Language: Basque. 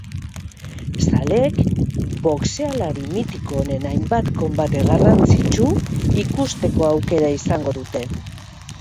Zaleek boxealari mitiko honen hainbat konbate garrantzitsu ikusteko aukera izango dute.